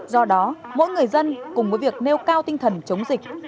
do đó mỗi người dân cùng với việc nêu cao tinh thần chống dịch